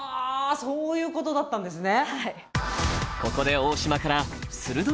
そういうことだったんですね。